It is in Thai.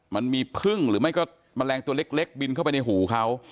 มันมีพึ่งหรือไม่ก็แมลงตัวเล็กบินเข้าไปในหูเขา